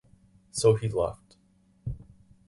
So he left.